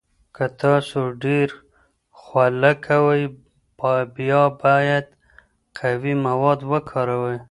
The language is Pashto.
که تاسو ډیر خوله کوئ، بیا باید قوي مواد وکاروئ.